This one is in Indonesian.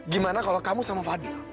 gimana kalau kamu sama fadil